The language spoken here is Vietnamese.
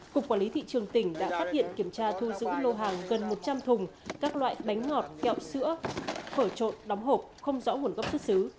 cục quản lý thị trường tỉnh đã phát hiện kiểm tra thu giữ lô hàng gần một trăm linh thùng các loại bánh ngọt kẹo sữa phở trộn đóng hộp không rõ nguồn gốc xuất xứ